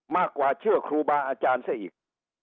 มากกว่าเชื่อครูบาอาจารย์ซะอีก